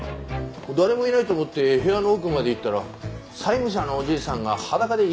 誰もいないと思って部屋の奥まで行ったら債務者のおじいさんが裸でいびきかいて寝てたりして。